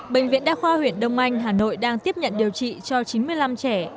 bệnh viện đa khoa huyện đông anh hà nội đang tiếp nhận điều trị cho chín mươi năm trẻ